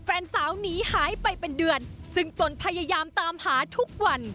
แฟนสาวหนีหายไปเป็นเดือนซึ่งตนพยายามตามหาทุกวัน